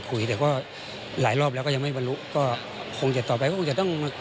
คุยแต่ก็หลายรอบแล้วก็ยังไม่บรรลุก็คงจะต่อไปก็คงจะต้องมา